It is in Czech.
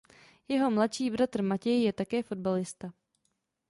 Jeho mladší bratr Matej je také fotbalista.